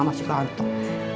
masih gak untuk